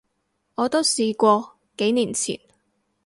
我都試過，幾年前